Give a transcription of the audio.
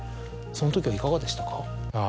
そのときはいかがでしたか？